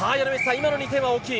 今の２点は大きい。